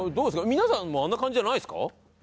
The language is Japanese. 皆さんもあんな感じじゃないですか？